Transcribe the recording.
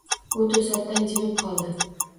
U to‘satdan jimib qoldi.